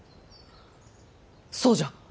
そうじゃ。